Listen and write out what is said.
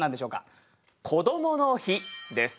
「こどもの日」です。